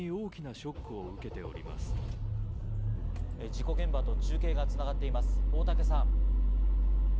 事故現場と中継が繋がっています、大竹さん。